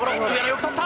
よく捕った。